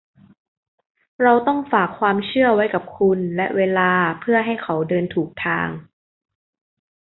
เราต้องฝากความเชื่อไว้กับคุณและเวลาเพื่อให้เขาเดินถูกทาง